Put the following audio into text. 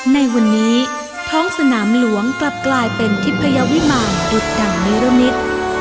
ในวันนี้ท้องสนามหลวงกลับกลายเป็นทิพยาวิมารดุดดังนิรมิตร